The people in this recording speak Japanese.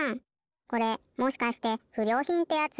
これもしかしてふりょうひんってやつ？